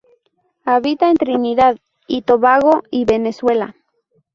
Habita en Trinidad y Tobago y Venezuela.